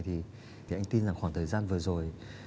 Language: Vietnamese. thì anh tin rằng khoảng thời gian vừa rồi